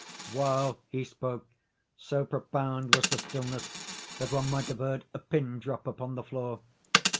While he spoke, so profound was the stillness that one might have heard a pin drop upon the floor.